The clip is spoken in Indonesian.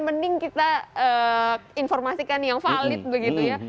mending kita informasikan yang valid begitu ya